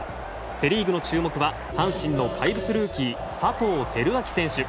セ・リーグの注目は阪神の怪物ルーキー佐藤輝明選手。